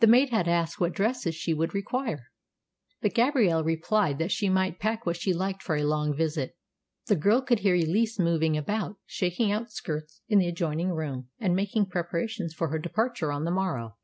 The maid had asked what dresses she would require; but Gabrielle replied that she might pack what she liked for a long visit. The girl could hear Elise moving about, shaking out skirts, in the adjoining room, and making preparations for her departure on the morrow.